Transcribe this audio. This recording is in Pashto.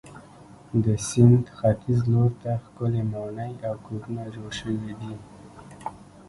د سیند ختیځ لور ته ښکلې ماڼۍ او کورونه جوړ شوي دي.